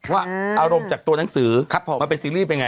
ว่าอารมณ์จากตัวหนังสือมันเป็นซีรีส์เป็นไง